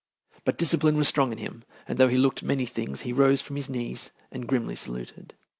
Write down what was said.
But discipline was strong in him, and though he looked many things, he rose from his knees and grimly saluted.